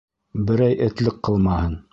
Берәй этлек ҡылмаһын...